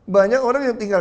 banyak orang yang tinggal